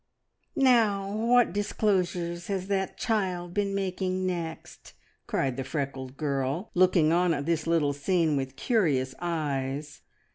"Now what disclosures has that child been making next!" cried the freckled girl, looking on at this little scene with curious eyes.